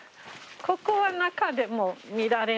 ここは中でも見られるんですか？